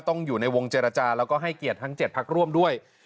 ต้องอยู่ในวงเจรจาแล้วก็ให้เกียรติทั้ง๗พักร่วมด้วย